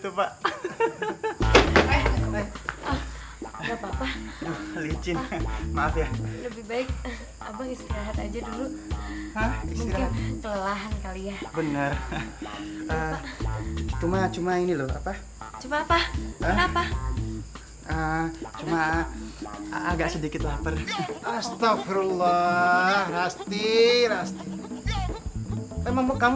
udah hidupnya susah sekarang lagi gak mabang